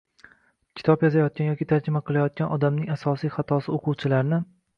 Kitob yozayotgan yoki tarjima qilayotgan odamning asosiy xatosi o‘quvchilarni